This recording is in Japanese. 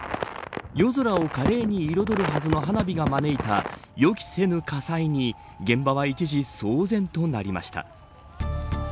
夜空を華麗に彩るはずの花火が招いた予期せぬ火災に現場は一時騒然となりました。